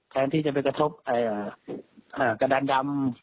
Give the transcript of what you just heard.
แทนที่จะไปกระทบกระดานดำ